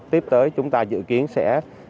tiếp tới chúng ta dự kiến sẽ